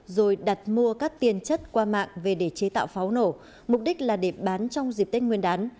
rồi đặt mua các tiền chất qua mạng về để chế tạo pháo nổ mục đích là để bán trong dịp tết nguyên đán